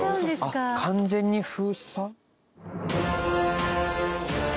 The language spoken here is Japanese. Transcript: あっ完全に封鎖？